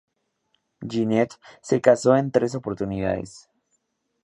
Ginette se casó en tres oportunidades.